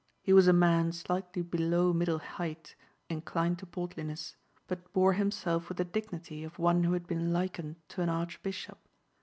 He was a man slightly below middle height, inclined to portliness, but bore himself with the dignity of one who had been likened to an archbishop.